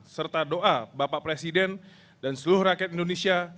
serta doa bapak presiden dan seluruh rakyat indonesia